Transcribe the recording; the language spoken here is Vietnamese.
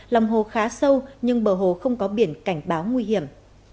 lòng hồ khá sâu nhưng bờ hồ không có biển cảnh báo nguy hiểm